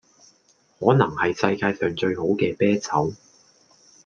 可能系世界上最好嘅啤酒